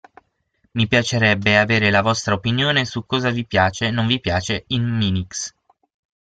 Mi piacerebbe avere la vostra opinione su cosa vi piace/non vi piace in Minix.